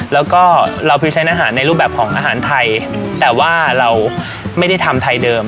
แล้วก็เราคือใช้อาหารในรูปแบบของอาหารไทยแต่ว่าเราไม่ได้ทำไทยเดิม